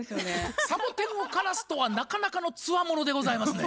サボテンを枯らすとはなかなかのつわものでございますね。